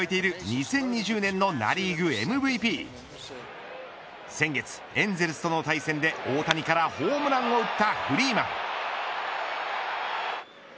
２０２０年のナ・リーグＭＶＰ先月エンゼルスとの対戦で大谷からホームランを打ったフリーマン。